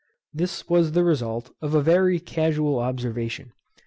This was the result of a very casual observation.